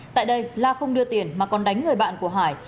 tại đây la không đưa tiền mà còn đánh người bạn của hải